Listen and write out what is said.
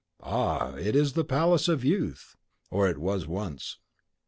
Ah, it is the palace of youth, or it was once.